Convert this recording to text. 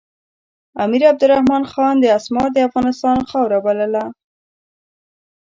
امیر عبدالرحمن خان اسمار د افغانستان خاوره بلله.